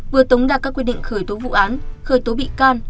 vừa tống đạt các quyết định khởi tố vụ án khởi tố bị can